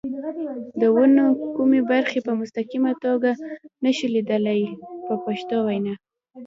د ونو کومې برخې په مستقیمه توګه نشو لیدلای په پښتو وینا.